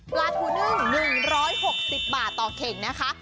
ปลาทูนึ่ง๑๖๐บาทต่อเข่งนะคะ